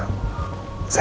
saya permisi bu